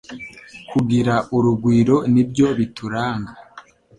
kugira urugwiro nibyo bituranga